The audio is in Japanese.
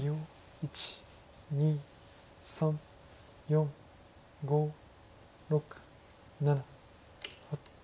１２３４５６７。